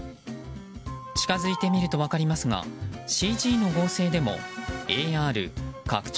近づいてみると分かりますがＣＧの合成でもＡＲ・拡張